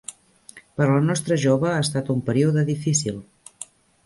Per a la nostra jove ha estat un període difícil.